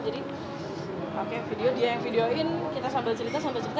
jadi dia yang video in kita sambil cerita sambil cerita